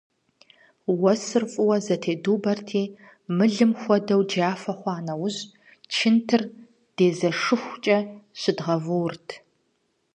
Уэсыр фӀыуэ зэтедубэрти, мылым хуэдэу джафэ хъуа нэужь, чынхэр дезэшыхукӀэ щыдгъэвуурт.